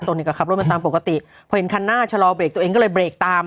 ก็ขับรถมาตามปกติพอเห็นคันหน้าชะลอเบรกตัวเองก็เลยเบรกตาม